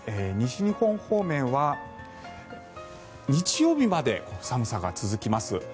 西日本方面は日曜日まで寒さが続きます。